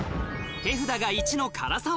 手札が１の唐沢